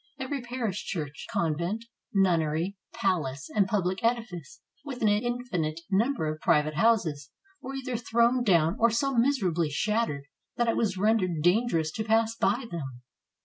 Every parish church, convent, nunnery, palace, and public edifice, with an infinite number of private houses, were either thrown down or so miserably shattered that it was rendered dangerous to pass by them.